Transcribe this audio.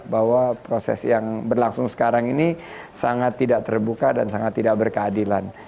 bahwa proses yang berlangsung sekarang ini sangat tidak terbuka dan sangat tidak berkeadilan